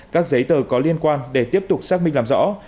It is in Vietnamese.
các giấy tờ có liên quan để tiếp tục xác minh làm rõ